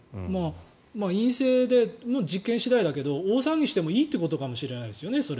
陰性の実験次第だけど大騒ぎしてもいいということかもしれないですよね。